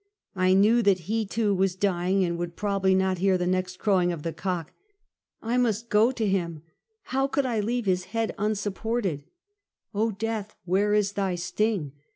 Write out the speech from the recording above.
I Imew that he, too, was dying, and would prob ably not hear the next crowing of the cock. I must go to him! how could I leave this head unsupported? Oh, death where is thy sting?